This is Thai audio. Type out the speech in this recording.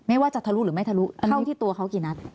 ไม่ว่าจะทะลุหรือไม่ทะลุเข้าที่ตัวเขากี่นัด